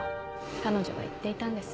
彼女が言っていたんです。